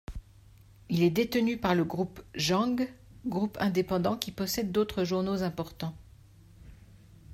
Il est détenu par le groupe Jang, groupe indépendant qui possède d'autres journaux importants.